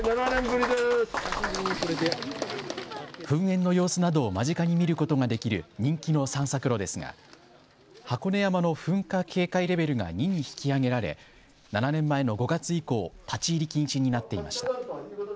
噴煙の様子などを間近に見ることができる人気の散策路ですが箱根山の噴火警戒レベルが２に引き上げられ７年前の５月以降、立ち入り禁止になっていました。